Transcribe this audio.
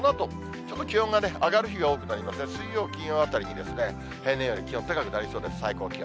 ちょっと気温が上がる日が多くなりますが、水曜、金曜あたりに平年より気温高くなりそうです、最高気温。